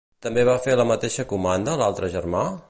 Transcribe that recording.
També va fer la mateixa comanda a l'altre germà?